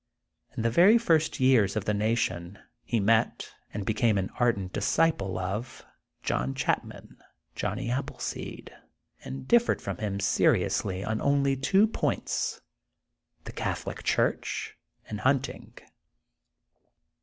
In the very first years of the nation he met, and became an ardent disciple of, John Chapman — Johnny Appleseed, and differed from him seriously on only two points, the Catholic Church, and hunting.